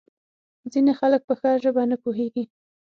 ځینې خلک په ښه ژبه نه پوهیږي.